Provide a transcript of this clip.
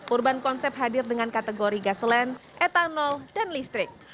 urban concept hadir dengan kategori gaselen etanol dan listrik